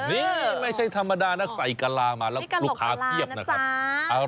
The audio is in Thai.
นี่ไม่ใช่ธรรมดานะใส่กะลามาแล้วลูกค้าเพียบนะครับ